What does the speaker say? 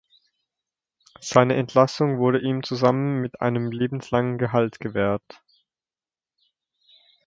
Seine Entlassung wurde ihm zusammen mit einem lebenslangen Gehalt gewährt.